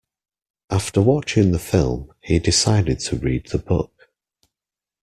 After watching the film, he decided to read the book.